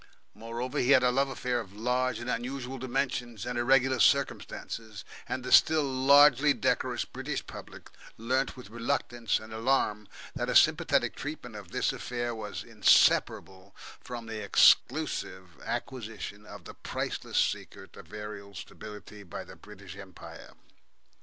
Moreover, he had a love affair of large and unusual dimensions and irregular circumstances and the still largely decorous British public learnt with reluctance and alarm that a sympathetic treatment of this affair was inseparable from the exclusive acquisition of the priceless secret of aerial stability by the British Empire.